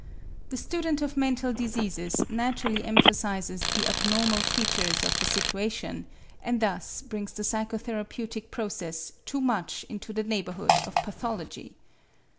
The student of mental diseases naturally emphasizes the abnormal features of the situation, and thus brings the psychotherapeutic process too much into the neighborhood of pathology.